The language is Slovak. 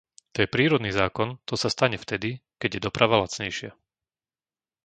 To je prírodný zákon, to sa stane vtedy, keď je doprava lacnejšia.